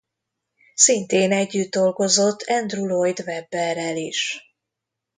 Szintén együtt dolgozott Andrew Lloyd Webberrel is.